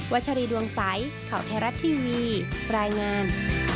วัชรีดวงสัยเข่าไทยรัฐทีวีปรายงาน